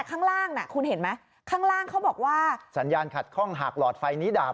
ข้างล่างน่ะคุณเห็นไหมข้างล่างเขาบอกว่าสัญญาณขัดข้องหากหลอดไฟนี้ดาบ